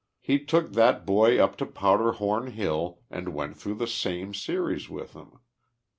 He took that boj T up to Powder Horn Ilill and went through the same series with him.